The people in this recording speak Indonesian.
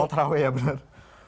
mau terawih ya benar